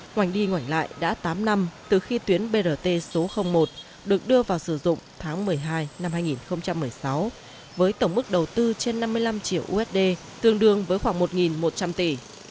hoành đi ngỏi lại đã tám năm từ khi tuyến brt số một được đưa vào sử dụng tháng một mươi hai năm hai nghìn một mươi sáu với tổng mức đầu tư trên năm mươi năm triệu usd tương đương với khoảng một một trăm linh tỷ